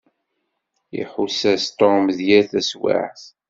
Iḥuss-as Tom d yir taswiɛt.